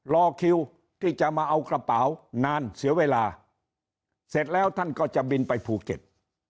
รอคิวที่จะมาเอากระเป๋านานเสียเวลาเสร็จแล้วท่านก็จะบินไปภูเก็ต